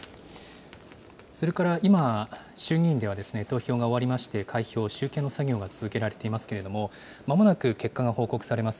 それから今、衆議院では投票が終わりまして、開票・集計の作業が続けられていますけれども、まもなく結果が報告されます。